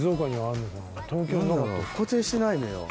固定してないのよ。